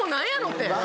って。